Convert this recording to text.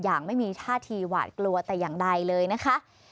อย่างไม่มีท่าทีหวาดกลัวแต่อย่างใดเลยนะคะ